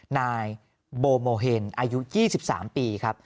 นายโบโมเฮนอายุ๒๓ปีครับ